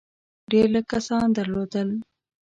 ډېر لږ کسان درلودل.